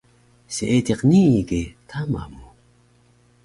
Seediq nii ge tama mu